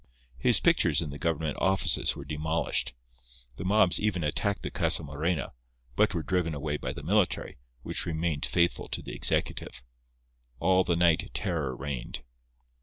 His pictures in the government offices were demolished. The mobs even attacked the Casa Morena, but were driven away by the military, which remained faithful to the executive. All the night terror reigned.